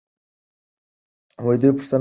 دوی پوښتنه کوله.